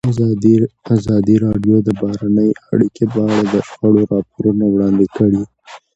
ازادي راډیو د بهرنۍ اړیکې په اړه د شخړو راپورونه وړاندې کړي.